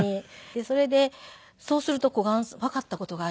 それでそうするとわかった事がありまして。